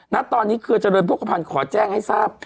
ณตอนนี้เครือเจริญโภคภัณฑ์ขอแจ้งให้ทราบ